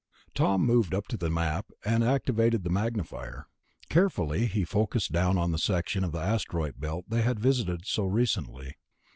Tom moved up to the Map and activated the magnifier. Carefully he focussed down on the section of the Asteroid Belt they had visited so recently.